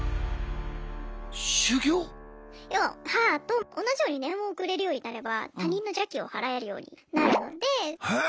要は母と同じように念を送れるようになれば他人の邪気をはらえるようになるので。